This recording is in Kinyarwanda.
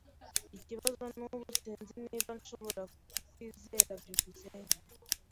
Ikibazo nubu sinzi niba nshobora kukwizera. byukusenge